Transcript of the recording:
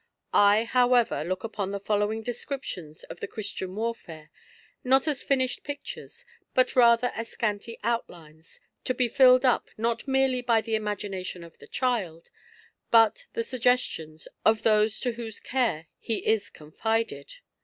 I, however, look upon the following descriptions of the Christian warfare, not as finished pictures, but rather as scanty outlines to be fiUed up, not merely by the imagination of the child, but the suggestions of those to whose care he is confided.